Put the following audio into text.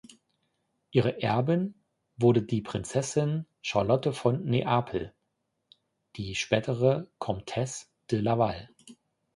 Ihre Erbin wurde die Prinzessin Charlotte von Neapel, die spätere Comtesse de Laval.